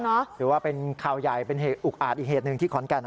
ถือว่าเป็นข่าวใหญ่เป็นเหตุอุกอาจอีกเหตุหนึ่งที่ขอนแก่น